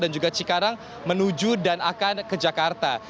dan juga cikarang menuju dan akan ke jakarta